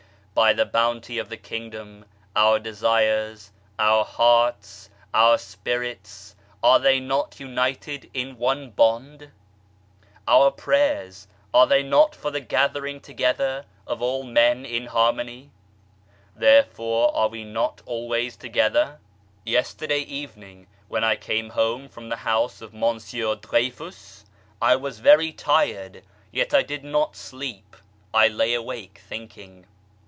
By the Bounty of the Kingdom our desires, our hearts, our spirits, are they not united in one bond ? Our prayers, are they not for the gathering together of all men in harmony? Therefore are we not always to gether ? Yesterday evening when I came home from the house of Monsieur Dreyfus I was very tired yet I did not sleep, I lay awake thinking.